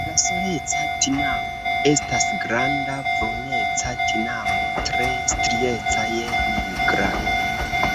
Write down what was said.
La Soleca tinamo estas granda bruneca tinamo tre strieca je nigra.